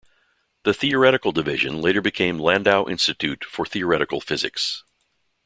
The theoretical division later became Landau Institute for Theoretical Physics.